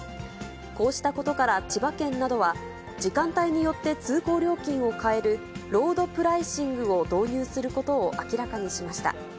こうしたことから千葉県などは、時間帯によって通行料金を変えるロードプライシングを導入することを明らかにしました。